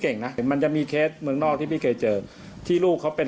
นะมันจะมีเคสเมืองนอกที่พี่เคยเจอที่ลูกเขาเป็น